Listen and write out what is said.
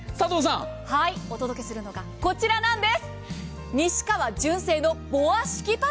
はい、お届けするのがこちらなんです。